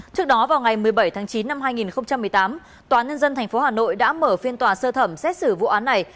trước đó vào ngày một mươi bảy tháng chín năm hai nghìn một mươi tám tòa nhân dân tp hà nội đã mở phiên tòa sơ thẩm xét xử vụ án này